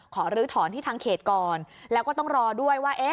ลื้อถอนที่ทางเขตก่อนแล้วก็ต้องรอด้วยว่า